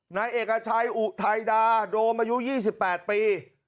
นายเอกชัยอุทัยดาโดมอายุ๒๘ปี